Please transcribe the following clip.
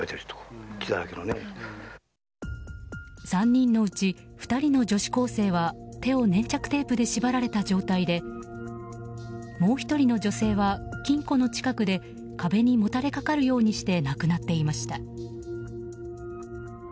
３人のうち、２人の女子高生は手を粘着テープで縛られた状態でもう１人の女性は金庫の近くで壁にもたれかかるようにして亡くなっていました。